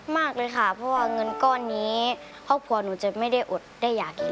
มากเลยค่ะเพราะว่าเงินก้อนนี้ครอบครัวหนูจะไม่ได้อดได้อยากกิน